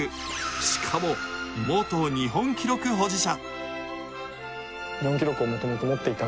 しかも、元日本記録保持者。